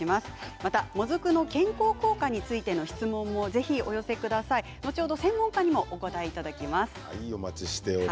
またもずくの健康効果についての質問もぜひお寄せください。